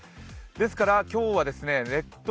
ですから今日は列島